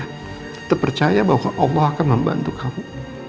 kita percaya bahwa allah akan membantu kamu